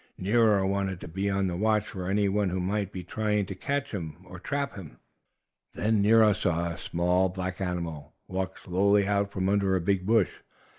Nero wanted to be on the watch for any one who might be trying to catch him or trap him. Then Nero saw a small black animal walk slowly out from under a big bush.